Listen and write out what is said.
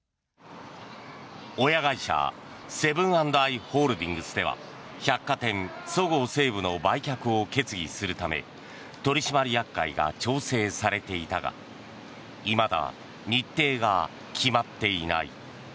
親会社、セブン＆アイ・ホールディングスでは百貨店、そごう・西武の売却を決議するため取締役会が調整されていたがいまだ日程が決まっていない。